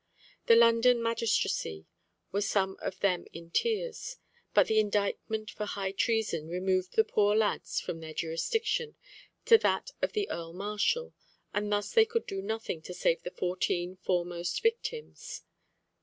The London magistracy were some of them in tears, but the indictment for high treason removed the poor lads from their jurisdiction to that of the Earl Marshal, and thus they could do nothing to save the fourteen foremost victims.